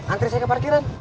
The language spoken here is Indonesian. antri saya ke parkiran